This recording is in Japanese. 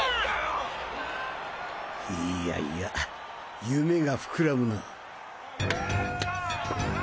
いやいや夢がふくらむなァ。